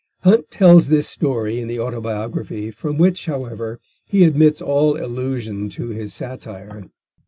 Hunt tells this story in the Autobiography, from which, however, he omits all allusion to his satire.